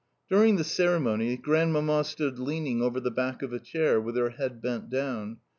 During the ceremony Grandmamma stood leaning over the back of a chair, with her head bent down.